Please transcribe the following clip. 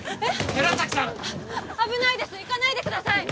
寺崎さん危ないです行かないでください